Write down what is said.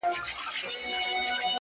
بيا چي يخ سمال پټيو څخه راسي.